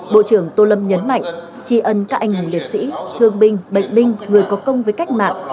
bộ trưởng tô lâm nhấn mạnh tri ân các anh hùng liệt sĩ thương binh bệnh binh người có công với cách mạng